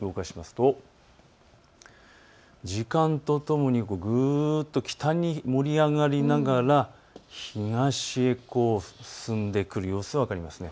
動かしますと、時間とともにぐっと北に盛り上がりながら東へこう進んでくる様子、分かりますね。